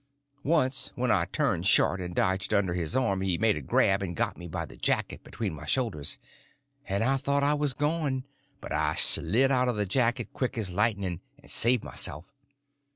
Once when I turned short and dodged under his arm he made a grab and got me by the jacket between my shoulders, and I thought I was gone; but I slid out of the jacket quick as lightning, and saved myself.